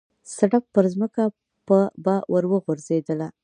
سړپ پرځمکه به ور وغورځېدله.